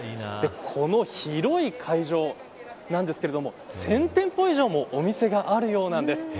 この広い会場なんですが１０００店舗以上もお店があるようなんです。